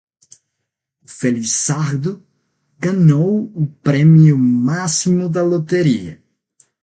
O felizardo ganhou o prêmio máximo da loteria